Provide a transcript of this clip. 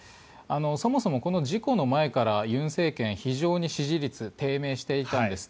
そもそもこの事故の前から尹政権は非常に支持率が低迷していたんです。